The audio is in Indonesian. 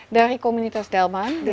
dari komunitas delman